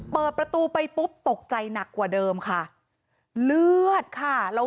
เปิดประตูไปปุ๊บตกใจหนักกว่าเดิมค่ะเลือดค่ะเรา